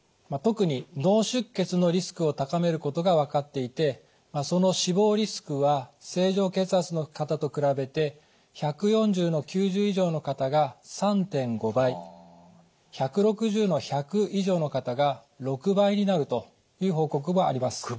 特に脳出血のリスクを高めることが分かっていてその死亡リスクは正常血圧の方と比べて１４０／９０以上の方が３．５倍１６０／１００以上の方が６倍になるという報告もあります。